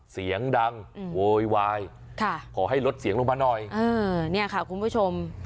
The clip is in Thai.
เสียงดังโวยวายขอให้ลดเสียงลงมาหน่อยเออเนี่ยค่ะคุณผู้ชม